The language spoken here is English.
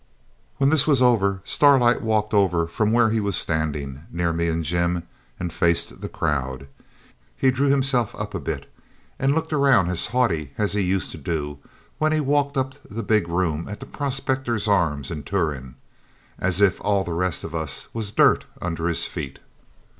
When this was over Starlight walked over from where he was standing, near me and Jim, and faced the crowd. He drew himself up a bit, and looked round as haughty as he used to do when he walked up the big room at the Prospectors' Arms in Turon as if all the rest of us was dirt under his feet.